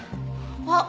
あっ！